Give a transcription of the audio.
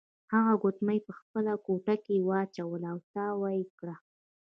هغه ګوتمۍ په خپله ګوته کې واچوله او تاو یې کړه.